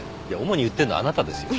主に言ってんのはあなたですよ。